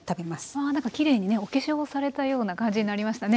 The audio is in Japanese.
わきれいにねお化粧をされたような感じになりましたね。